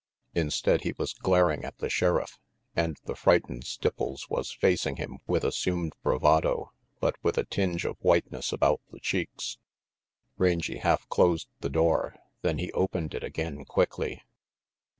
Instead, he was glaring at the sheriff, and the frightened Stipples was facing him with assumed bravado, but with a tinge of whiteness about the cheeks. Rangy half closed the door, then he opened it again quickly.